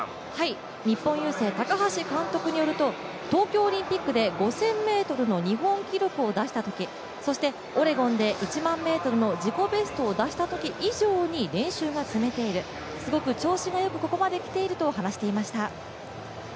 日本郵政、高橋監督によると東京オリンピックで５０００ｍの日本記録を出したとき、そしてオレゴンで１００００ｍの自己ベストを出したとき以上に練習は積めている、すごく調子が良くここまで来ていると話していました。